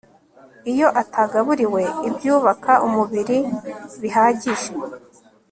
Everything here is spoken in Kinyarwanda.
iyo atagaburiwe ibyubaka umubiri bihagije